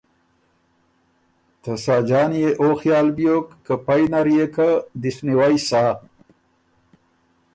ته ساجان يې او خیال بیوک که پئ نر يې که دِست نیوئ سۀ